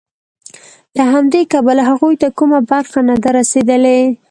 له همدې کبله هغوی ته کومه برخه نه ده رسېدلې